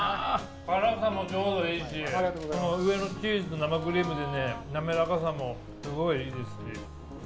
辛さもちょうどいいし上のチーズと生クリームで滑らかさも、すごいいいですね。